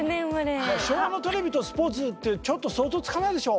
昭和のテレビとスポーツってちょっと想像つかないでしょ？